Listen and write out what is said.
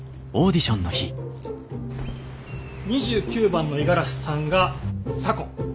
２９番の五十嵐さんが左近。